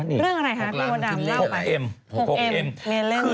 เรื่องอะไรคะพี่โอดำเล่าไป